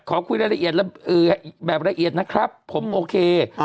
ขอคุยได้ละเอียดเอ่อแบบละเอียดนะครับผมโอเคอ่า